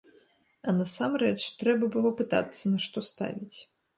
А насамрэч, трэба было пытацца, на што ставіць.